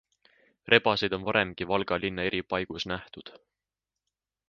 Rebaseid on varemgi Valga linna eri paigus nähtud.